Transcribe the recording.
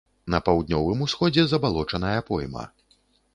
На паўднёвым усходзе забалочаная пойма.